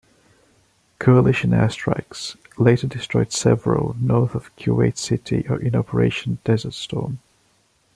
Coalition air strikes later destroyed several north of Kuwait City in Operation Desert Storm.